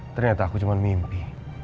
ternyata aku cuma mimpi